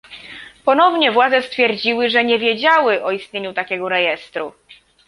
Ponownie władze stwierdziły, że nie wiedziały o istnieniu takiego rejestru